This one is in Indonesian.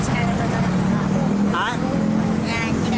tidak pengen cari saja